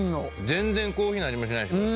全然コーヒーの味もしないしこれ。